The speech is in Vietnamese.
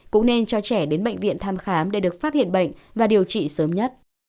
cũng nên cho trẻ đến bệnh viện thăm khám để được phát hiện bệnh và điều trị sớm nhất